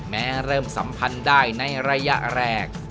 แม้เริ่มสัมพันธ์ได้ในระยะแรก